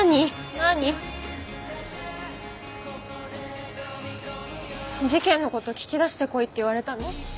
何？事件の事聞き出してこいって言われたの？